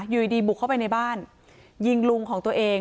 อยู่ดีบุกเข้าไปในบ้านยิงลุงของตัวเอง